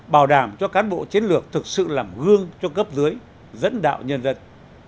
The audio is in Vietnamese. bảo đảm cho cán bộ chiến lược thực sự làm gương cho cấp dưới dẫn đạo nhân dân